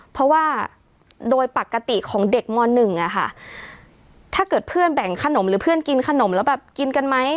เพราะว่าโดยปกติของเด็กม๑อะค่ะถ้าเกิดเพื่อนแบ่งขนมหรือเพื่อนกินขนมแล้วแบบกินกันไหม